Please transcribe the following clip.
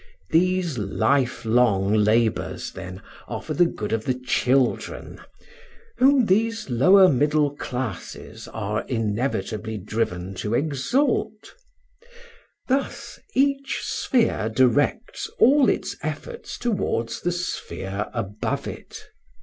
These life long labors, then, are for the good of the children, whom these lower middle classes are inevitably driven to exalt. Thus each sphere directs all its efforts towards the sphere above it.